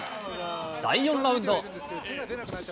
第４ラウンド。